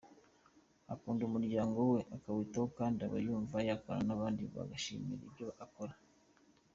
Akunda umuryango we akawitaho kandi aba yumva yakorana n’abandi bagashima ibyo akora.